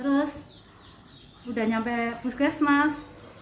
udah nyampe puskes mas